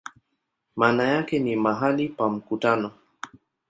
Maana yake ni "mahali pa mkutano".